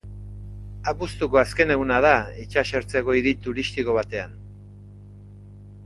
Abuztuko azken eguna da itsasertzeko hiri turistiko batean.